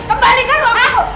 kembalikan lu aku